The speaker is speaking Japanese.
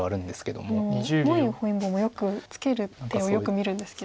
文裕本因坊もツケる手をよく見るんですけど。